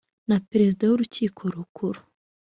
na perezida w urukiko rukuru